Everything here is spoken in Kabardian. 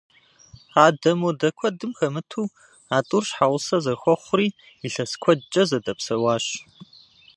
Адэ-модэ куэдым хэмыту, а тӏур щхьэгъусэ зэхуэхъури, илъэс куэдкӏэ зэдэпсэуащ.